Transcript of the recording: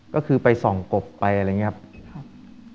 ก็คือไปส่องกบไปอะไรอย่างนี้ครับ